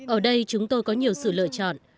ở đây chúng tôi có nhiều sự lựa chọn